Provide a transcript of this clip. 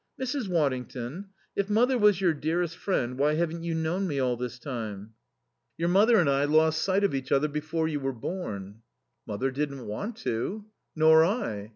"Mrs. Waddington, if mother was your dearest friend why haven't you known me all this time?" "Your mother and I lost sight of each other before you were born." "Mother didn't want to." "Nor I."